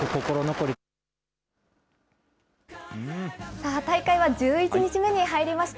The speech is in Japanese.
さあ、大会は１１日目に入りました。